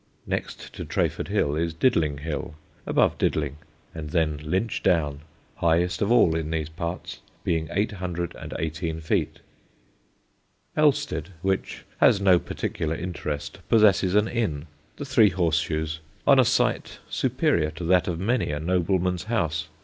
Next to Treyford Hill is Didling Hill, above Didling, and then Linch Down, highest of all in these parts, being 818 feet. Elsted, which has no particular interest, possesses an inn, the Three Horse Shoes, on a site superior to that of many a nobleman's house.